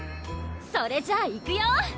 それじゃいくよー！